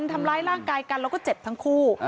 ทำร้ายร่างกายกันแล้วก็เจ็บทั้งคู่